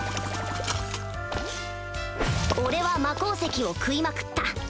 俺は魔鉱石を食いまくった。